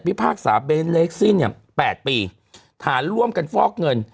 พิพากษาเบรนเลสที่เนี่ยแปดปีฐานร่วมกันฟอกเงิน